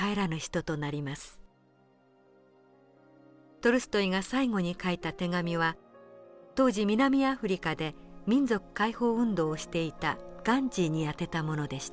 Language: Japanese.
トルストイが最後に書いた手紙は当時南アフリカで民族解放運動をしていたガンジーに宛てたものでした。